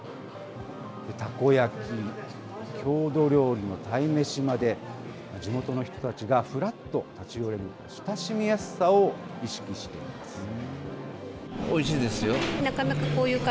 たこ焼き、郷土料理の鯛めしまで、地元の人たちがふらっと立ち寄れる親しみやすさを意識しています。